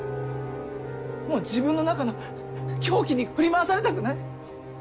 もう自分の中の狂気に振り回されたくない。